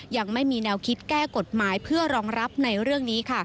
ยังไม่มีแนวคิดแก้กฎหมายเพื่อรองรับในเรื่องนี้ค่ะ